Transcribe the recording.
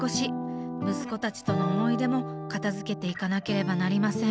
息子たちとの思い出も片づけていかなければなりません。